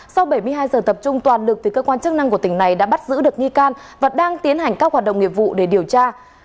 sau bảy mươi hai giờ tập trung toàn lực cơ quan chức năng của tỉnh này đã bắt giữ được nghi can và đang tiến hành các hoạt động nghiệp vụ để điều tra